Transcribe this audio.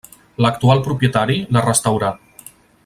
L'actual propietari la restaurà.